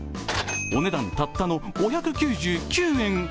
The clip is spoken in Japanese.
お値段たったの５９９円。